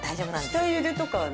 下ゆでとかは？